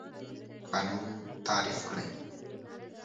قانون تعریف کړئ.